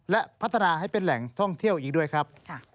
และพัฒนาให้เป็นแหล่งท่องเที่ยวอีกด้วยครับ